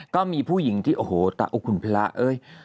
ก็มีผู้หญิงที่โอ้โหตาอกคุณพระเอ้ย